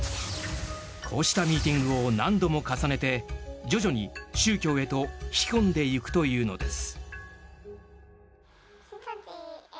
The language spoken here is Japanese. こうしたミーティングを何度も重ねて徐々に宗教へと引き込んでいくというのです。